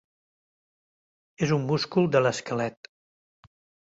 És un múscul de l'esquelet.